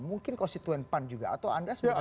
mungkin konstituen pan juga atau anda sebenarnya